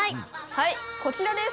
はいこちらです。